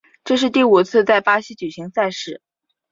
这是第五次在巴西举行赛事。